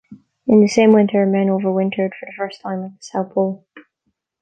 In the same winter, men overwintered for the first time at the South Pole.